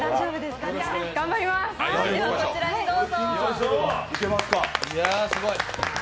では、こちらにどうぞ。